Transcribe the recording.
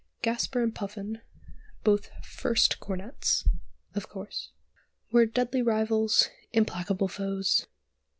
Gasper and Puffin (both "first" cornets, of course!) were deadly rivals, implacable foes.